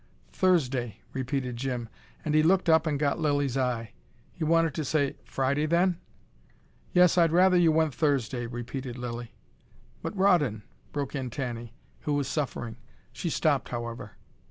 "Thursday," repeated Jim. And he looked up and got Lilly's eye. He wanted to say "Friday then?" "Yes, I'd rather you went Thursday," repeated Lilly. "But Rawdon !" broke in Tanny, who was suffering. She stopped, however.